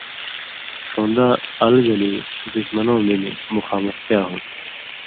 ݜُن٘دہ اَل گلی دشمنؤں مِلیۡ مُخامُختیا ہُوۡن٘د۔